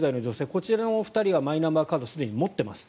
こちらのお二人はマイナンバーカードをすでに持っています。